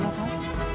saya bisanya ada video